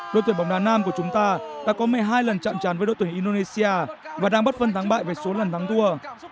đội tuyển bóng đá nam của chúng ta đã có một mươi hai lần chạm chán với đội tuyển indonesia và đang bất vân thắng bại về số lần thắng thua